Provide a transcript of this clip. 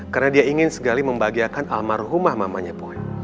karena dia ingin sekali membagiakan almarhumah mamanya boy